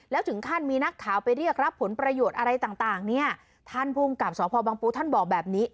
แล้วถึงขั้นมีนักข่าวไปเรียกรับผลประโยชน์อะไรต่างเนี่ยท่านภูมิกับสพบังปูท่านบอกแบบนี้